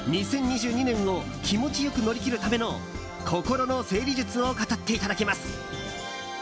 ２０２２年を気持ちよく乗り切るための心の整理術を語っていただきます。